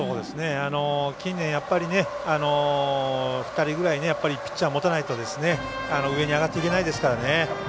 近年、やっぱり２人ぐらいピッチャー持たないと上に上がっていけないですからね。